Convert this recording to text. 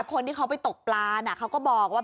คนที่เขาไปตกปลาน่ะเขาก็บอกว่า